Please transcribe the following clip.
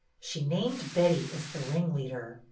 She named Betty as the ringleader.